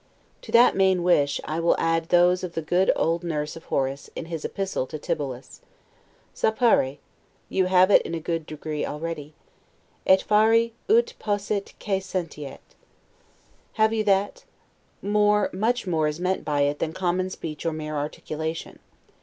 To that main wish, I will add those of the good old nurse of Horace, in his epistle to Tibullus: 'Sapere', you have it in a good degree already. 'Et fari ut possit quae sentiat'. Have you that? More, much more is meant by it, than common speech or mere articulation.